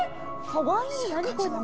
かわいい何この子。